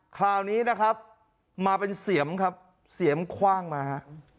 คราวนี้นะครับมาเป็นเสียมครับเสียมคว่างมาฮะ